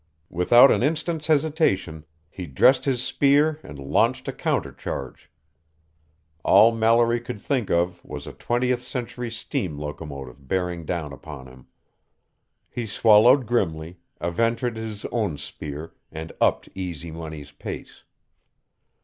Without an instant's hesitation, he dressed his spear and launched a counter charge. All Mallory could think of was a twentieth century steam locomotive bearing down upon him. He swallowed grimly, "aventred" his own spear, and upped Easy Money's pace.